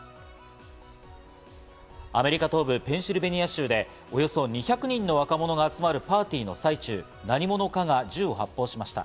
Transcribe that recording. アメリカ東部ペンシルベニア州でおよそ２００人の若者が集まるパーティーの最中、何者かが銃を発砲しました。